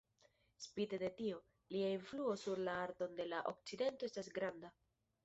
Spite de tio, lia influo sur la arton de la Okcidento estas granda.